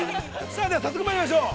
さあでは早速まいりましょう。